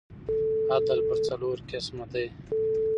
عدل پر څلور قسمه دئ.